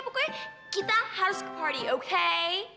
pokoknya kita harus ke party okay